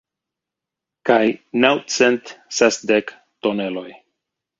Kaj naŭcent sesdek toneloj.